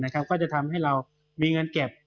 ก็จะทำให้เรามีเงินเก็บ